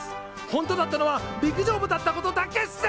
本当だったのは陸上部だったことだけっす！